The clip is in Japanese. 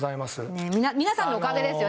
皆さんのおかげですよね